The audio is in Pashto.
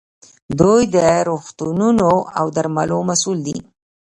دوی د روغتونونو او درملو مسوول دي.